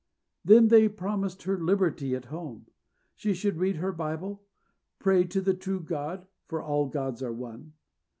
Then they promised her liberty at home. She should read her Bible, pray to the true God, "for all gods are one."